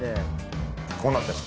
こうなってます。